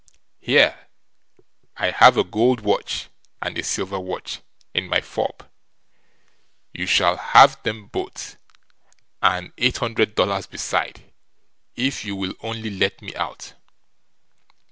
Here I have a gold watch and a silver watch in my fob; you shall have them both, and eight hundred dollars beside, if you will only let me out."